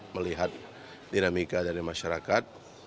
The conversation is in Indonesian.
melihat dinamika dari masyarakat